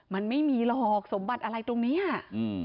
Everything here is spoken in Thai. มันไม่มีหรอกสมบัติอะไรตรงเนี้ยอืม